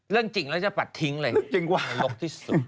เรื่องจริงแล้วจะปัดทิ้งเลยจึงกว่าลกที่สุด